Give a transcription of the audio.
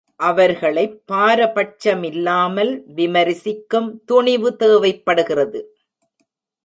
அவர்களைப் பாரபட்ச் மில்லாமல் விமரிசிக்கும் துணிவு தேவைப்படுகிறது.